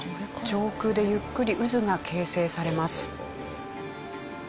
上空でゆっくり渦が形成されます。